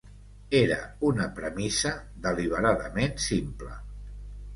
Era una premissa deliberadament simple.